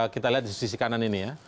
kita lihat di sisi kanan ini ya